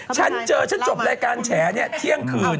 ฉันเจอฉันจบรายการแฉเนี่ยเที่ยงคืน